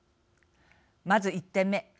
まず、１点目。